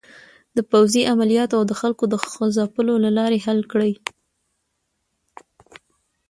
د پوځې عملیاتو او د خلکو د ځپلو له لارې حل کړي.